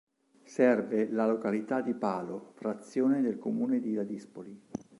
Serve la località di Palo, frazione del comune di Ladispoli.